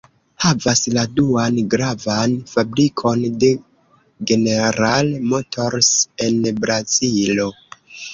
Havas la duan gravan fabrikon de General Motors en Brazilo.